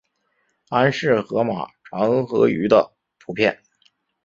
安氏河马长颌鱼的图片